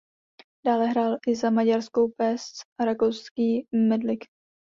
Dále hrál i za maďarskou Pécs a rakouský Mödling.